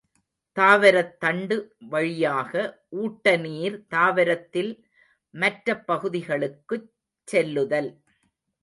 தாவரத் தண்டு வழியாக ஊட்டநீர் தாவரத்தில் மற்றப் பகுதிகளுக்குச் செல்லுதல்.